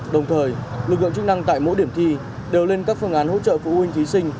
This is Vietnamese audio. đồng thời lực lượng chức năng tại mỗi điểm thi đều lên các phương án hỗ trợ phụ huynh thí sinh